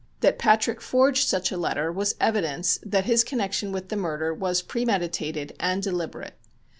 That Patrick forged such a letter was evidence that his connection with the murder was premeditated and deliberate.